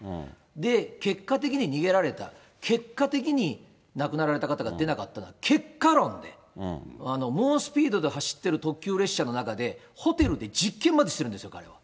で、結果的に逃げられた、結果的に亡くなられた方が出なかったのは結果論で、猛スピードで走っている特急列車の中で、ホテルで実験までしているんですよ、彼は。